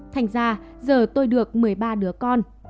thành ra giờ tôi được một mươi ba đứa con